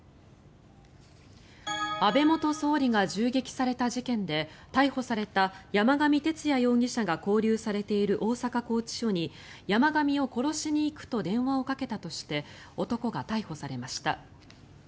安倍元総理が銃撃された事件で逮捕された山上徹也容疑者が勾留されている大阪拘置所に山上を殺しに行くと電話をかけたとして男が逮捕されました。